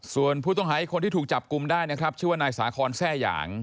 ส่วนผู้ต้องหาอีกคนที่ถูกจับกลุ่มได้นะครับชื่อว่านายสาคอนแทร่หยาง